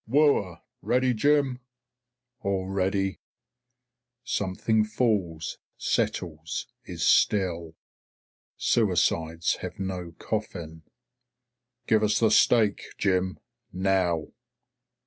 "Whoa! Ready, Jim?" "All ready." Something falls, settles, is still. Suicides have no coffin. "Give us the stake, Jim. Now."